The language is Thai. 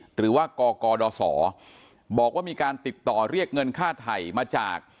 หรือว่ากกดศบอกว่ามีการติดต่อเรียกเงินค่าไถ่มาจาก